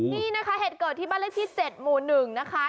นี่นะคะเหตุเกิดที่บ้านเลขที่๗หมู่๑นะคะ